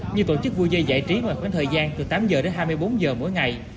như tổ chức vui dây giải trí ngoài khoảng thời gian từ tám giờ đến hai mươi bốn giờ mỗi ngày